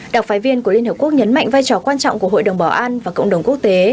đặc phái viên của liên hợp quốc nhấn mạnh vai trò quan trọng của hội đồng bảo an và cộng đồng quốc tế